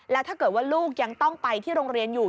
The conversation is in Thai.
แล้วถ้าเกิดว่าลูกยังต้องไปที่โรงเรียนอยู่